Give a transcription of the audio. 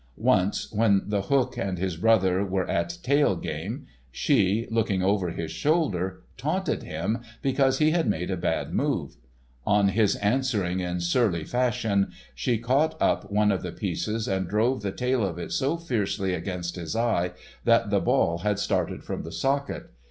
Once when The Hook and his brother were at tail game, she, looking over his shoulder, taunted him because he had made a bad move. On his answering in surly fashion, she caught up one of the pieces, and drove the tail of it so fiercely against his eye that the ball had started from the socket.